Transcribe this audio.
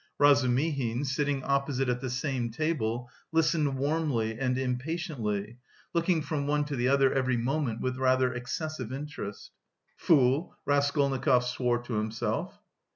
Razumihin, sitting opposite at the same table, listened warmly and impatiently, looking from one to the other every moment with rather excessive interest. "Fool," Raskolnikov swore to himself.